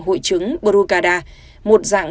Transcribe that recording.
hội chứng brugada một dạng